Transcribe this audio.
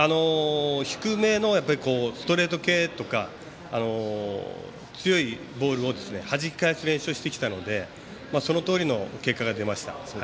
低めのストレート系とか強いボールをはじき返す練習をしてきたのでそのとおりの結果が出ました。